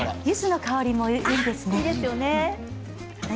ゆずの香りもいいですね。